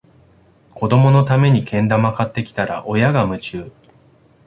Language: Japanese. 子どものためにけん玉買ってきたら、親が夢中